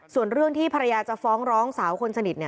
ส่วนเรื่องที่ภรรยาจะฟ้องร้องสาวคนสนิท